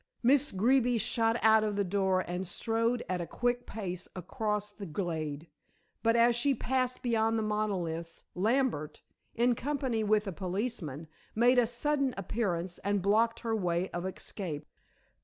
Miss Greeby shot out of the door and strode at a quick pace across the glade. But as she passed beyond the monoliths, Lambert, in company with a policeman, made a sudden appearance and blocked her way of escape.